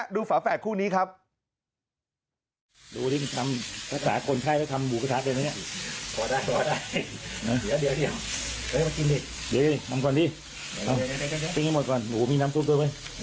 ได้กินดินะฮะดูฝาแฝดคู่นี้ครับ